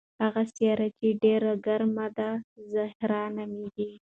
هغه سیاره چې ډېره ګرمه ده زهره نومیږي.